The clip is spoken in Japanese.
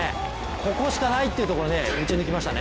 ここしかないっていうところ打ち抜きましたね。